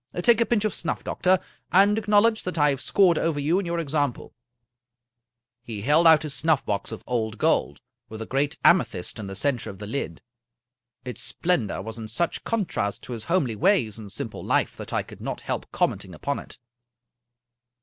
Take a pinch of snuff, doctor, and acknowledge that I have scored over you in your example." He held out his snuffbox of pld gold, with a great ame thyst in the center of the lid. Its splendor was in such contrast to his homely ways and simple life that I could not help commenting upon it.